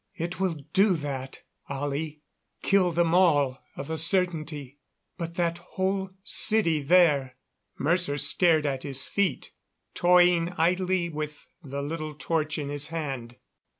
"It will do that, Ollie. Kill them all, of a certainty; but that whole city there " Mercer stared at his feet, toying idly with the little torch in his hand.